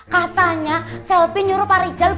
ternyata si selfie tuh ketemuan sama ke andri